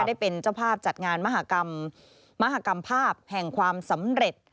ได้เป็นเจ้าภาพจัดงานมหากรรมมหากรรมภาพแห่งความสำเร็จ